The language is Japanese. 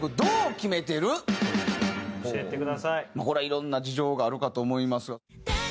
これはいろんな事情があるかと思いますが。